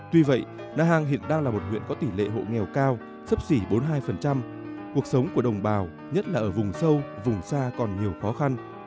tuy vậy na hàng hiện đang là một huyện có tỷ lệ hộ nghèo cao sấp xỉ bốn mươi hai cuộc sống của đồng bào nhất là ở vùng sâu vùng xa còn nhiều khó khăn